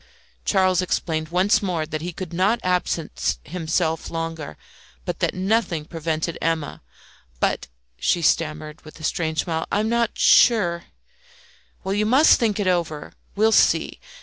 Charles explained once more that he could not absent himself longer, but that nothing prevented Emma "But," she stammered, with a strange smile, "I am not sure " "Well, you must think it over. We'll see.